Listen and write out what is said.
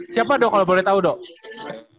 siapa dong kalau boleh tahu dong